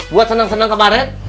buat senang senang kemarin